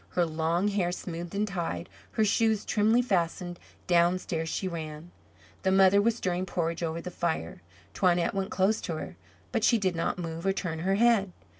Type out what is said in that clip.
Her long hair smoothed and tied, her shoes trimly fastened, downstairs she ran. The mother was stirring porridge over the fire. Toinette went close to her, but she did not move or turn her head.